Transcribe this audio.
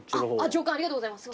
長官ありがとうございます。